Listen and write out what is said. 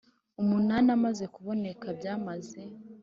umunani amaze kuboneka byamaze